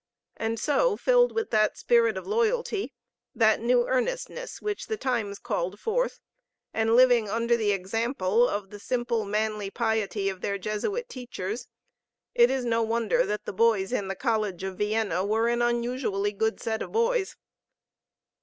And so, filled with that spirit of loyalty, that new earnestness which the times called forth, and living under the example of the simple manly piety of their Jesuit teachers, it is no wonder that the boys in the College of Vienna were an unusually good set of boys.